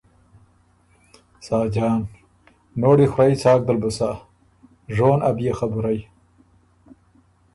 ساجان: نوړی خورئ څاک دل بُو سَۀ، ژون ا بيې خبُرئ